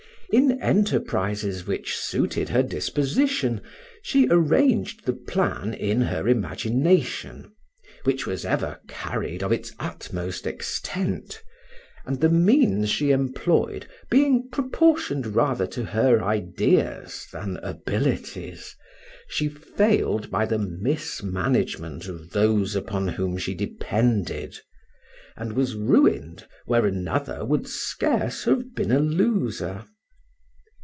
In enterprises which suited her disposition, she arranged the plan in her imagination, which was ever carried of its utmost extent, and the means she employed being proportioned rather to her ideas than abilities, she failed by the mismanagement of those upon whom she depended, and was ruined where another would scarce have been a loser.